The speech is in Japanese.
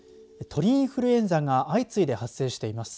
鳥インフルエンザが相次いで発生しています。